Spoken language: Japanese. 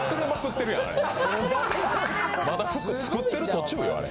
まだ靴つくってる途中よあれ。